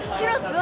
は